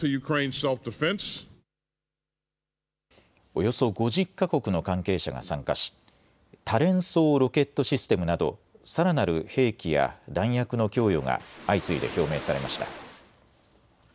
およそ５０か国の関係者が参加し多連装ロケットシステムなどさらなる兵器や弾薬の供与が相次いで表明されました。